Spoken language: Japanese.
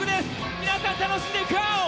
皆さん、楽しんでいこう！